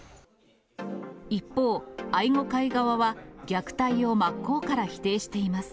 一方、愛護会側は、虐待を真っ向から否定しています。